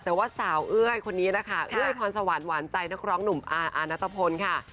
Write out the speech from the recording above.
แต่ว่าสาวเอ้ยคนนี้นะคะเอ้ยพรสวรรค์หวานใจนักร้องหนุ่มอาณัตภพลค่ะ